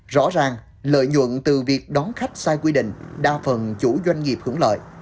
rõ ràng lợi nhuận từ việc đón khách sai quy định đa phần chủ doanh nghiệp hưởng lợi